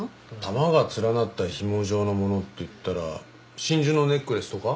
玉が連なった紐状のものっていったら真珠のネックレスとか？